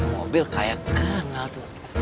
mobil kayak kenal tuh